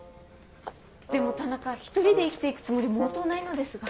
でも田中１人で生きて行くつもり毛頭ないのですが。